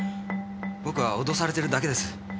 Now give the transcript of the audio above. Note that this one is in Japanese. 僕は脅されてるだけです。